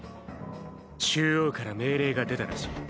中央から命令が出たらしい。